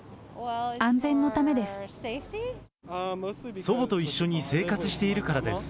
安全のためです。